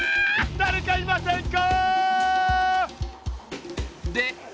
だれかいませんか？